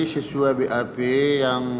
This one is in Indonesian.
sesuai bap yang